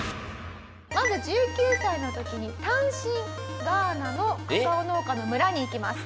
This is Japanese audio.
まず１９歳の時に単身ガーナのカカオ農家の村に行きます。